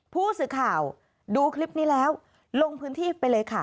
ผู้สื่อข่าวดูคลิปนี้แล้วลงพื้นที่ไปเลยค่ะ